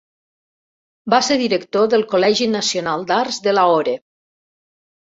Va ser director del Col·legi Nacional d'Arts de Lahore.